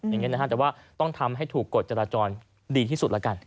อย่างนี้นะฮะแต่ว่าต้องทำให้ถูกกฎจราจรดีที่สุดแล้วกัน